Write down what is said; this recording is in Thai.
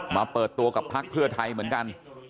มาเปิดตัวกับพักเพื่อไทยเหมือนกัน